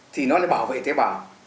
thì nó lại bảo vệ tế bào